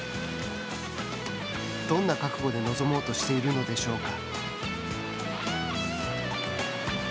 どんな覚悟で臨もうとしているのでしょうか。